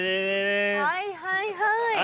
はいはいはい。